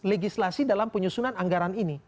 tidak berggegislasi dalam penyusunan anggaran ini